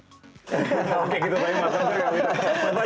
oke gitu maksudnya gimana